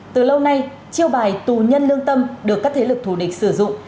từ lâu nay triệu bài tù nhân lương tâm được các thế lực thủ địch sử dụng